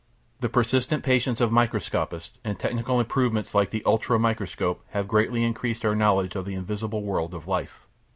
The persistent patience of microscopists and technical improvements like the "ultramicroscope" have greatly increased our knowledge of the invisible world of life.